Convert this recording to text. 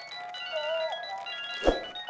nih ini udah gampang